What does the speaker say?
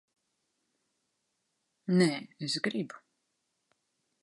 Nē, es gribu.